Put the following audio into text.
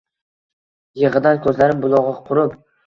Yig‘idan ko‘zlarim bulog‘i qurib